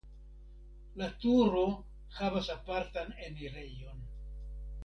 La turo havas apartan enirejon.